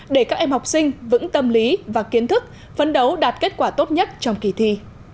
để các em học sinh vững tâm lý và kiến thức phấn đấu đạt kết quả tốt nhất trong kỳ thi